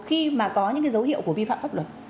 khi mà có những cái dấu hiệu của vi phạm pháp luật